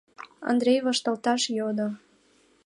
Андрей вашталташ йодо.